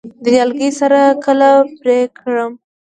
د نیالګي سر کله پرې کړم؟